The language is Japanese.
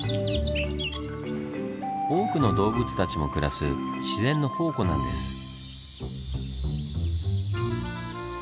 多くの動物たちも暮らす自然の宝庫なんです。